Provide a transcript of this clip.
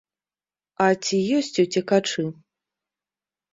А ці ёсць уцекачы?